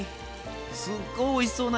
すっごいおいしそうな匂いが。